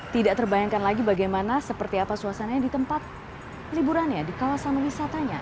tidak terbayangkan lagi bagaimana seperti apa suasananya di tempat liburannya di kawasan wisatanya